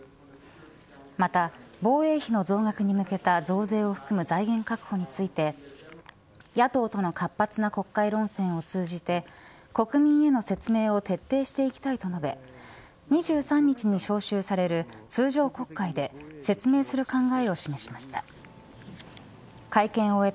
また防衛費の増額に向けた増税を含む財源確保について野党との活発な国会論戦を通じて国民への説明を徹底していきたいと述べ、２３日に召集される通常国会で説明する考えを示しました。